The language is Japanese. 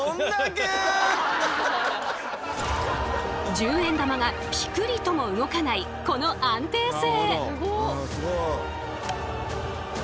１０円玉がピクリとも動かないこの安定性。